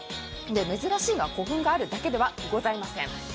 珍しいのが古墳があるだけではございません。